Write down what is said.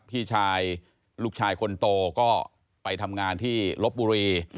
พี่ชายลูกชายคนโตก็ไปทำงานที่ลบบุรี